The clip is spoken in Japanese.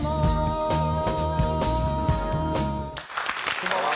こんばんは！